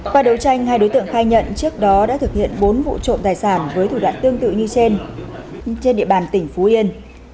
qua đấu tranh hai đối tượng khai nhận trước đó đã thực hiện bốn vụ trộm tài sản với thủ đoạn tương tự như trên địa bàn tỉnh phú yên